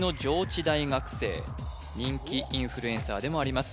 人気インフルエンサーでもあります